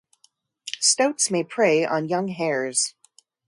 Stoats may prey on young hares.